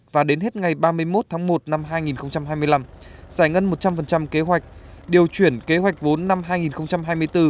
và đến hết ngày ba mươi một tháng một năm hai nghìn hai mươi năm giải ngân một trăm linh kế hoạch điều chuyển kế hoạch vốn năm hai nghìn hai mươi bốn